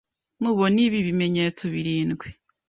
Nubona ibi bimenyetso birindwi